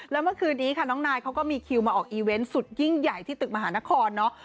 แล้วเมื่อคืนนี้ค่ะน้องนายเขาก็มีคิวมาออกอีเวนต์สุดยิ่งใหญ่ที่ตึกมหานครเนาะ